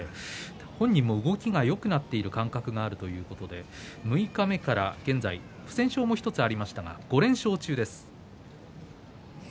本人も動きがよくなっている感覚があるということで六日目から不戦勝もありますが５連勝中です。